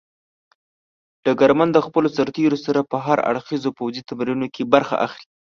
ډګرمن د خپلو سرتېرو سره په هر اړخيزو پوځي تمرینونو کې برخه اخلي.